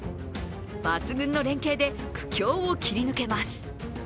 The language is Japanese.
抜群の連係で苦境を切り抜けます。